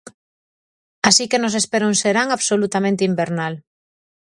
Así que nos espera un serán absolutamente invernal.